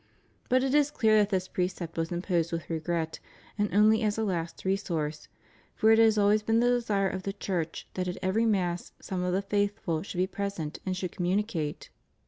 But it is clear that this precept was imposed with regret, and only as a last resource; for it has always been the desire of the Church that at every Mass some of the faithful should be present and should conmiunicate.